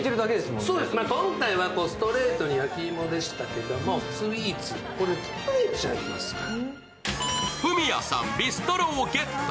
今回はストレートに焼き芋でしたけど、スイーツ作れちゃいますから。